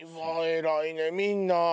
偉いねみんな。